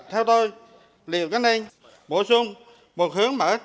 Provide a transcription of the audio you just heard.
theo tôi liệu gắn đây bổ sung một hướng mở